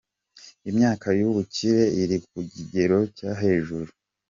Imyaka y’ubukure iri ku kigero cyo hejuru.